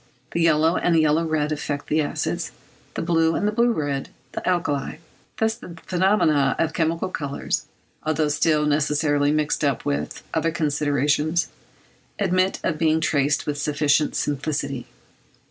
The yellow and yellow red affect the acids, the blue and blue red the alkalis; thus the phenomena of chemical colours, although still necessarily mixed up with other considerations, admit of being traced with sufficient simplicity.